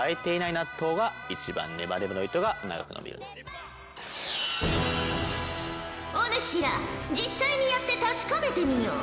またお主ら実際にやって確かめてみよ！